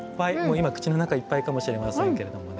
今口の中いっぱいかもしれませんけれどもね。